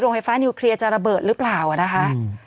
ไฟฟ้านิวเคลียร์จะระเบิดหรือเปล่านะคะ